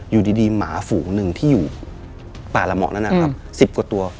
อยู่ดีหมาฝูหนึ่งที่อยู่บ่าหร่ำอ๋อนนั่น๑๐กว่าตัว